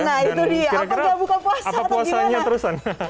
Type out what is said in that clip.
nah itu dia apa nggak buka puasa atau gimana